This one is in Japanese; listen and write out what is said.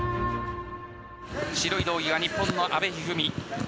白い道着が日本の阿部一二三。